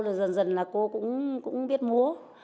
rồi dần dần là cô cũng biết múa